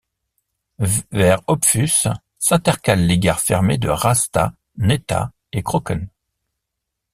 Vers Opphus, s'intercale les gares fermées de Rasta, Neta et Kroken.